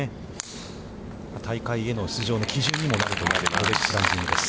大会への出場の基準にもなるロレックス・ランキングです。